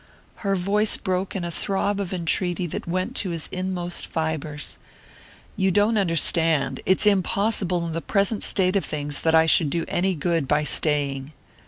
Her voice broke in a throb of entreaty that went to his inmost fibres. "You don't understand. It's impossible in the present state of things that I should do any good by staying."